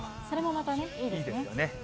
それもまたね、いいですよね。